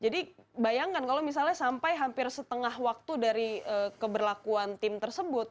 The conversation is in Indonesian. jadi bayangkan kalau misalnya sampai hampir setengah waktu dari keberlakuan tim tersebut